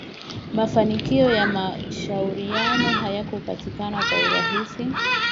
Mafanikio ya mashauriano hayakupatikana kwa urahisi